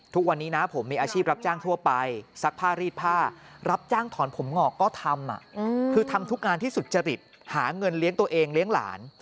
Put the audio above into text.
ทุกวันนี้นะผมมีอาชีพรับจ้างทั่วไปซักผ้ารีดผ้ารับจ้างถอนผมงอกก็ทำคือทำทุกงานที่สุจริตหาเงินเลี้ยงตัวเองเลี้ยงหลาน